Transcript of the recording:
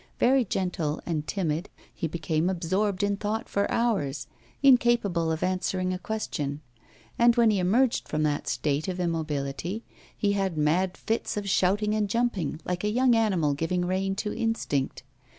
Very gentle and timid, he became absorbed in thought for hours, incapable of answering a question. And when he emerged from that state of immobility he had mad fits of shouting and jumping, like a young animal giving rein to instinct.